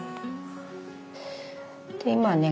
で今はね